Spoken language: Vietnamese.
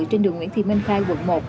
trên đường nguyễn thị minh khai quận một